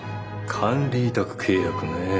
管理委託契約ね。